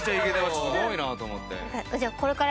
すごいなと思って。